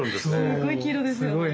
すっごい黄色ですよね。